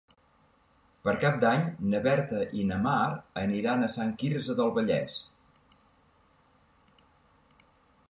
Per Cap d'Any na Berta i na Mar aniran a Sant Quirze del Vallès.